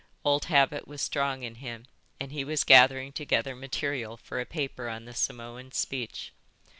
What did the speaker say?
Old habit was strong in him and he was gathering together material for a paper on the Samoan speech.